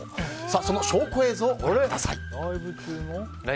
その証拠映像をご覧ください。